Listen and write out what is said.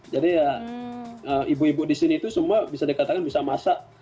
jadi ibu ibu di sini itu semua bisa dikatakan bisa masak